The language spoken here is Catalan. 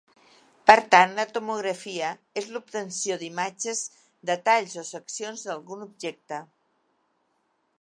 Per tant la tomografia és l'obtenció d'imatges de talls o seccions d'algun objecte.